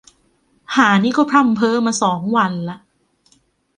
ห่านี่ก็พร่ำเพ้อมาสองวันละ